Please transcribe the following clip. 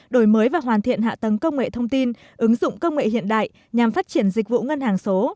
đổi mới và hoàn thiện hạ tầng công nghệ thông tin ứng dụng công nghệ hiện đại nhằm phát triển dịch vụ ngân hàng số